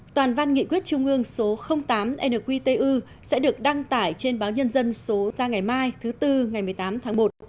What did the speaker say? toàn văn nghị quyết trung ương số tám nqtu sẽ được đăng tải trên báo nhân dân số ra ngày mai thứ tư ngày một mươi tám tháng một